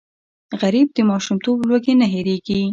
غریب د ماشومتوب لوږې نه هېرېږي